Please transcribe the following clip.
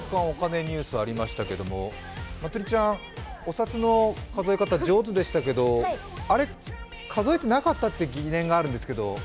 お金ニュース」ありましたけど、まつりちゃん、お札の数え方上手でしたけど、あれ、数えてなかったっていう疑念があるんですけど？